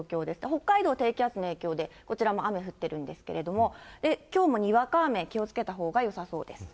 北海道、低気圧の影響で、こちらも雨降ってるんですけれども、きょうもにわか雨、気をつけたほうがよさそうです。